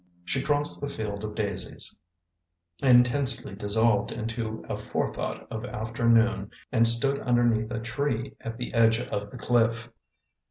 She crossed the field of daisies intensely dissolved into a forethought of afternoon and stood underneath a tree at the edge of the cliff.